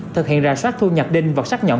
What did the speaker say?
thực hiện ra sát thu nhặt đinh vật sát nhọn